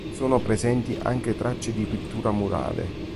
Sono presenti anche tracce di pittura murale.